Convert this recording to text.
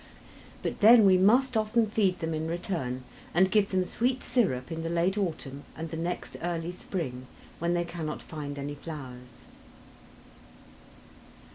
But then we must often feed them in return and give them sweet syrup in the late autumn and the next early spring when they cannot find any flowers.